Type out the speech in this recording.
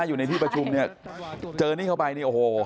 อยู่ในที่ประชุมเนี่ยเจอนี่เข้าไปนี่โอ้โห